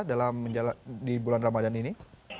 dalam di bulan ramadan ini